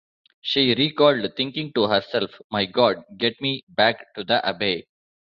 She recalled thinking to herself, "My God, get me back to the Abbey".